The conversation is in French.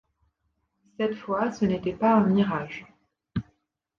Cette fois ce n’était pas un mirage.